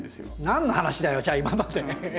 何の話だよじゃあ今まで。え？